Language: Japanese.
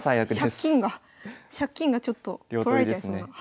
飛車金が飛車金がちょっと取られちゃいそうな。